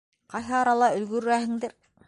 Ҡайһы арала өлгөрәһеңдер.